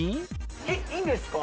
えっいいんですか？